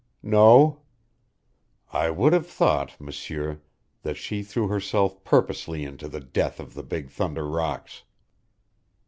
"No." "I would have thought, M'sieur, that she threw herself purposely into the death of the Big Thunder rocks."